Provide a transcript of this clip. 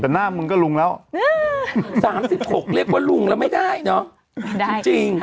แต่หน้ามึงก็ลุงแล้ว๓๖เรียกว่าลุงแล้วไม่ได้เนอะได้จริง